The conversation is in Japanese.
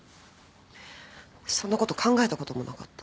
そんなこと考えたこともなかった。